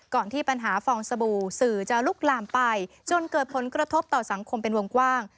ที่ปัญหาฟองสบู่สื่อจะลุกลามไปจนเกิดผลกระทบต่อสังคมเป็นวงกว้าง